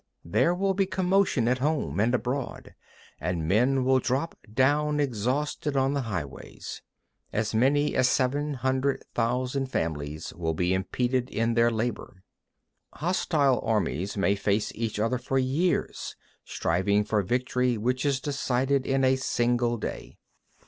There will be commotion at home and abroad, and men will drop down exhausted on the highways. As many as seven hundred thousand families will be impeded in their labor. 2. Hostile armies may face each other for years, striving for the victory which is decided in a single day.